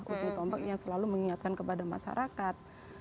ujung tombak yang selalu mengingatkan kepada masyarakat